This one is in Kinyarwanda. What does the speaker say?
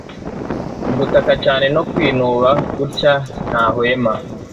gutaka cyane no kwinuba gutya ntahwema